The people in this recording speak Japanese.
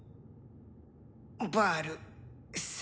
バール様。